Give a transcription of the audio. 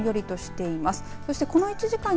新潟空はどんよりとしています。